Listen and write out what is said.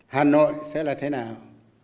hà nội sẽ là thế nào